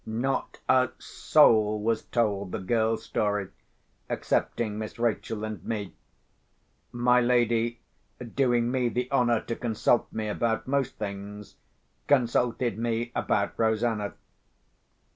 Not a soul was told the girl's story, excepting Miss Rachel and me. My lady, doing me the honour to consult me about most things, consulted me about Rosanna.